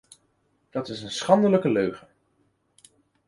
Dat is een schandelijke leugen!